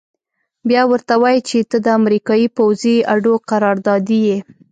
بيا ورته وايي چې ته د امريکايي پوځي اډو قراردادي يې.